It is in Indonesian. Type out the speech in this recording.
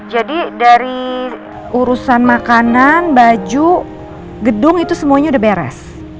jadi dari urusan makanan baju gedung itu semuanya udah beres